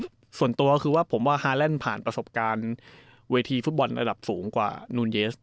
อันนี้ส่วนตัวชันว่าฮาแลนด์ผ่านประสบการณ์เวทีฟุตบอลเป็นอันดับสูงกว่งนูนเยส